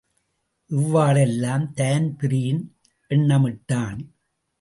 இவ்வாறெல்லாம் தான்பிரீன் எண்ணமிட்டான்.